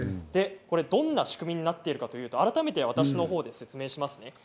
どんな仕組みになっているかというか改めて私のほうで説明します。